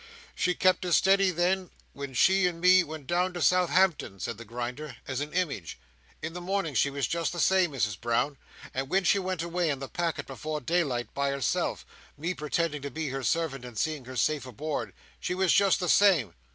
"She kept as steady, then, when she and me went down to Southampton," said the Grinder, "as a image. In the morning she was just the same, Misses Brown. And when she went away in the packet before daylight, by herself—me pretending to be her servant, and seeing her safe aboard—she was just the same.